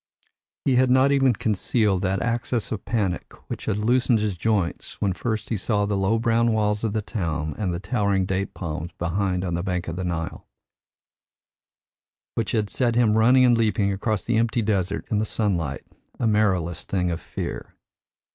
He had not even concealed that access of panic which had loosened his joints when first he saw the low brown walls of the town and the towering date palms behind on the bank of the Nile; which had set him running and leaping across the empty desert in the sunlight, a marrowless thing of fear.